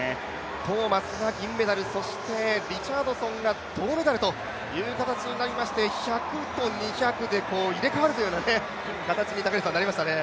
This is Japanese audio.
トーマスは銀メダル、リチャードソンが銅メダルという形になりまして、１００と２００で入れ代わるというような形になりましたね。